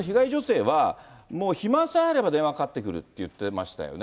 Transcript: この被害女性は、もう暇さえあれば電話かかってくるって言ってましたよね。